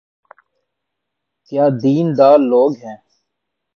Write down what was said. کیا دین دار لوگ ہیں۔